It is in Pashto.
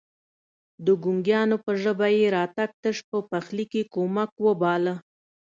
د ګونګيانو په ژبه يې راتګ تش په پخلي کې کمک وباله.